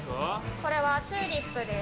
これは、チューリップです。